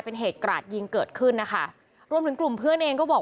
เป็นเหตุกราดยิงเกิดขึ้นนะคะรวมถึงกลุ่มเพื่อนเองก็บอก